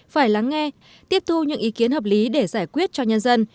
phải lắng nghe tiếp thu những ý kiến hợp lý để giải quyết cho nhân dân